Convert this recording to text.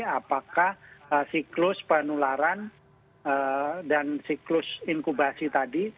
apakah siklus penularan dan siklus inkubasi tadi